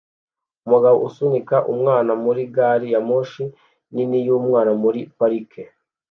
Umugabo usunika umwana muri gari ya moshi nini yumwana muri parike